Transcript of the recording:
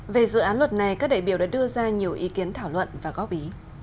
về dự án luật này các đại biểu đã đưa ra nhiều ý kiến thảo luận và góp ý